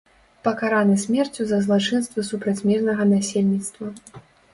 Пакараны смерцю за злачынствы супраць мірнага насельніцтва.